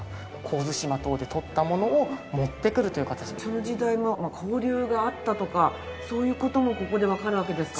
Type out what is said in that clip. その時代も交流があったとかそういう事もここでわかるわけですか。